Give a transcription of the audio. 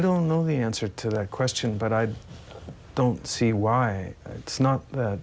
ฉันไม่รู้คำตอบตัวในคำสั่งนี้แต่ฉันไม่เห็นหรอก